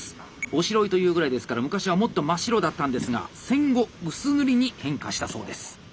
おしろいというぐらいですから昔はもっと真っ白だったんですが戦後薄塗りに変化したそうです。